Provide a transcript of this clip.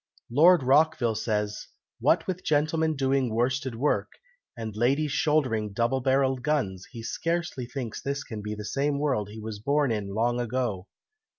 Lord Rockville says, 'What with gentlemen doing worsted work, and ladies shouldering double barrelled guns, he scarcely thinks this can be the same world he was born in long ago.'"